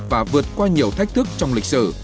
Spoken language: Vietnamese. và vượt qua nhiều thách thức trong lịch sử